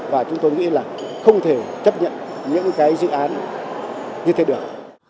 và chúng tôi nghĩ là không thể chấp nhận những cái dự án như thế được